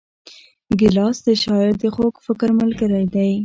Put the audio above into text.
ګیلاس د شاعر د خوږ فکر ملګری دی.